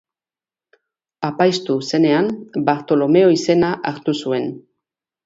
Apaiztu zenean Bartolomeo izena hartu zuen.